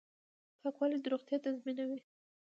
پاکوالی روغتیا تضمینوي